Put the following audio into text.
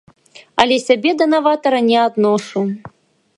Але сябе да наватара не адношу.